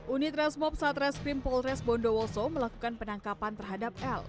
unit resmob satres pimpol res bondowoso melakukan penangkapan terhadap l